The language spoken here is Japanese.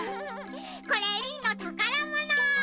これリンのたからもの！